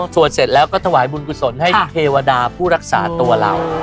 เสร็จแล้วก็ถวายบุญกุศลให้เทวดาผู้รักษาตัวเรา